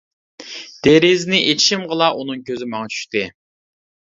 دېرىزىنى ئېچىشىمغىلا ئۇنىڭ كۆزى ماڭا چۈشتى.